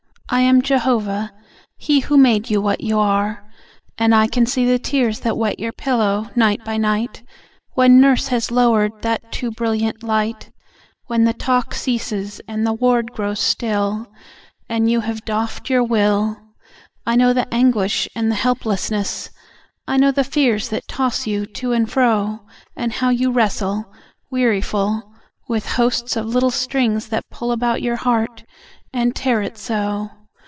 I am Jehovah, He Who made you what you are; and I can see The tears that wet your pillow night by night, When nurse has lowered that too brilliant light; When the talk ceases, and the ward grows still, And you have doffed your will: I know the anguish and the helplessness. I know the fears that toss you to and fro. And how you wrestle, weariful, With hosts of little strings that pull About your heart, and tear it so.